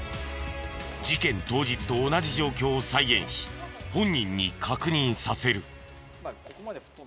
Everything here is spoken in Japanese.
事件当日と同じ状況を再現し本人に確認させる。